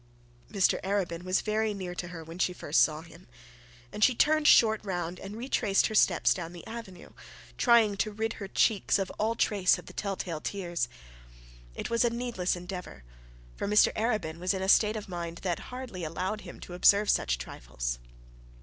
Mr Arabin was very near to her when she first saw him, that she turned short round and retraced her steps down the avenue, trying to rid her cheeks of all trace of the tell tale tears. It was a needless endeavour, for Mr Arabin was in a state of mind that hardly allowed him to observe such trifles.